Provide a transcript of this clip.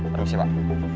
terima kasih pak